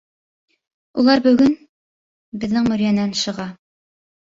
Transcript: Улар бөгөн... беҙҙең мөрйәнән шыға.